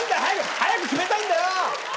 早く決めたいんだよ！